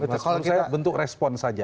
menurut saya bentuk respon saja